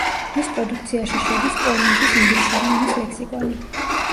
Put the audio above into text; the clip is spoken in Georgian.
მის პროდუქციაში შედის კოლინზის ინგლისური ენის ლექსიკონი.